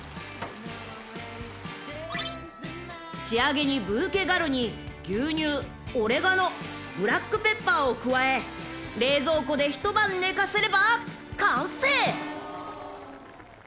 ［仕上げにブーケガルニ牛乳オレガノブラックペッパーを加え冷蔵庫で一晩寝かせれば完成］